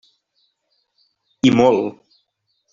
I molt.